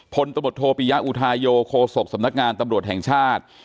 ตมโทปิยะอุทาโยโคศกสำนักงานตำรวจแห่งชาติ